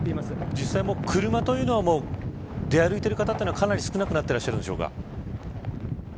実際、車というのは出歩いている方はかなり少なくなっていらっしゃるんでしょうか。